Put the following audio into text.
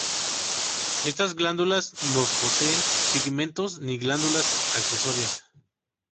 Estas glándulas no poseen pigmentos ni glándulas accesorias.